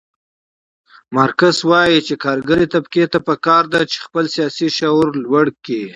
مارکس وایي چې کارګرې طبقې ته پکار ده چې خپل سیاسي شعور لوړ کړي.